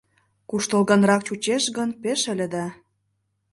Куштылгынрак чучеш гын, пеш ыле да...